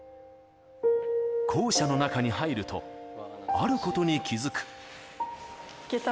校舎の中に入ると、あることに気付く。